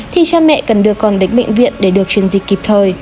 thì cha mẹ cần được còn đến bệnh viện để được chuyên dịch kịp thời